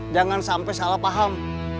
jangan sampe salah paham